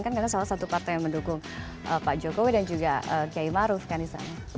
karena salah satu partai yang mendukung pak jokowi dan juga kian maruf kan di sana